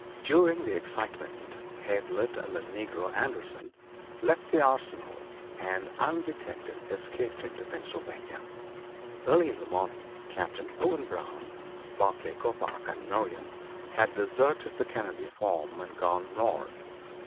During the excitement Hazlitt and the negro Anderson left the Arsenal and, undetected, escaped into Pennsylvania. Early in the morning Captain Owen Brown, Barclay Coppoc and Merriam had deserted the Kennedy farm and gone north.